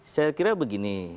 saya kira begini